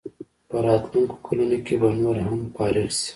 په راتلونکو کلونو کې به نور هم فارغ شي.